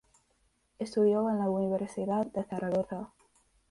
Estudió en la Universidad de Zaragoza.